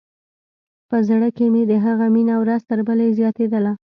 په زړه کښې مې د هغه مينه ورځ تر بلې زياتېدله.